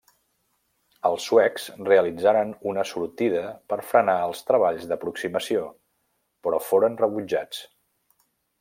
Els suecs realitzaren una sortida per frenar els treballs d'aproximació, però foren rebutjats.